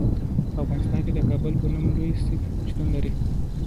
په افغانستان کې د کابل په نوم لوی سیند شتون لري.